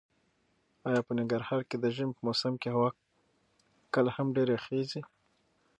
ایا په ننګرهار کې د ژمي په موسم کې هوا کله هم ډېره یخیږي؟